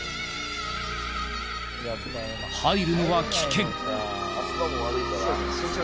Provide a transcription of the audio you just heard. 入るのは危険！